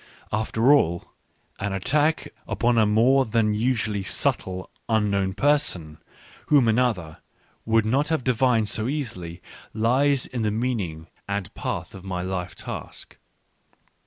— After all, an attack upon a more than usually subtle " unknown person " whom another would not have divined so easily, lies in the mean ing and path of my life task.